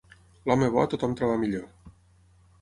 L'home bo a tothom troba millor.